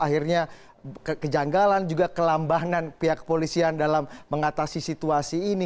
kejanggalan juga kelambangan pihak polisian dalam mengatasi situasi ini